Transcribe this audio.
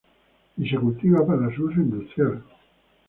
Y se cultiva para su uso industrial.